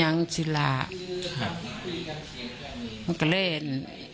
ไม่รู้จริงว่าเกิดอะไรขึ้น